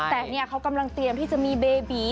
แต่เนี่ยเขากำลังเตรียมที่จะมีเบบี